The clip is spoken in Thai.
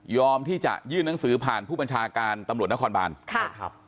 ที่จะยื่นหนังสือผ่านผู้บัญชาการตำรวจนครบานใช่ครับ